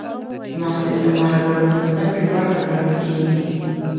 د محصل لپاره ګډون د زده کړې برخه ګڼل کېږي.